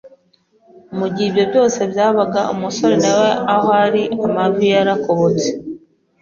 Mu gihe ibyo byose byabaga, umusore na we aho ari, amavi yarakobotse,